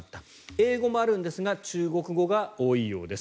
英語もあるんですが中国語が多いようです。